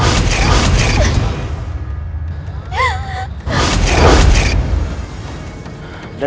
dari sebelah sana